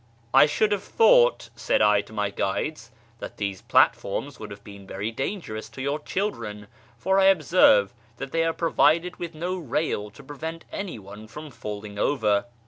" I should have thought," said I to my guides, " that these plat forms would have been very dangerous to your children, for I observe that they are provided with no rail to prevent anyone from falling over."